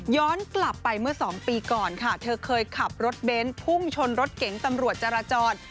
กลับไปเมื่อ๒ปีก่อนค่ะเธอเคยขับรถเบนท์พุ่งชนรถเก๋งตำรวจจราจร